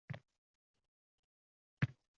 Tangrim marxamatin ulashsin senga